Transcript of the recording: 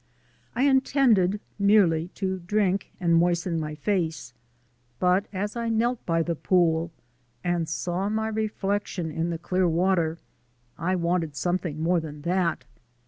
I intended merely to drink and moisten my face, but as I knelt by the pool and saw my reflection in the clear water wanted something more than that!